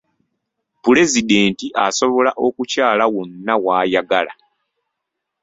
Pulezidenti asobola okukyala wonna w'ayagala.